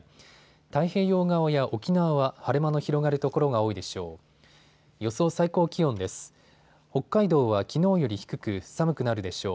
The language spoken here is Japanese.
太平洋側や沖縄は晴れ間の広がる所が多いでしょう。